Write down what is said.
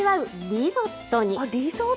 リゾットに？